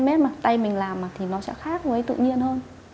hên mết mà tay mình làm thì nó sẽ khác với tự nhiên hơn